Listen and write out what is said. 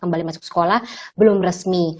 kembali masuk sekolah belum resmi